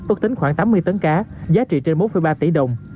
ước tính khoảng tám mươi tấn cá giá trị trên bốn ba tỷ đồng